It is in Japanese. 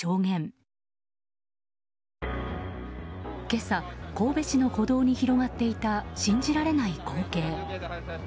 今朝、神戸市の歩道に広がっていた信じられない光景。